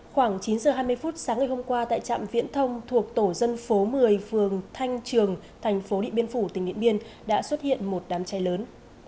khoảng chín h hai mươi phút sáng ngày hôm qua tại trạm viễn thông thuộc tổ dân phố một mươi phường thanh trường thành phố điện biên phủ tỉnh điện biên đã xuất hiện một đám cháy lớn